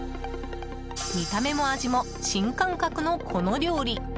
見た目も味も新感覚の、この料理。